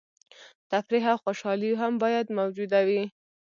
تفریح او خوشحالي هم باید موجوده وي.